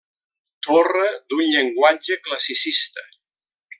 Torre d'un llenguatge classicista.